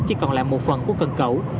chỉ còn là một phần của cần cẩu